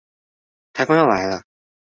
颱風要來了